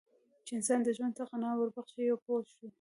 چې د انسان ژوند ته غنا ور بخښي پوه شوې!.